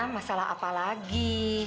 masalah apa lagi